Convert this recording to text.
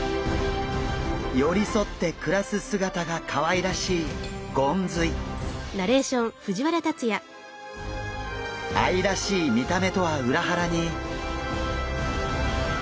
寄り添って暮らす姿がかわいらしい愛らしい見た目とは裏腹に。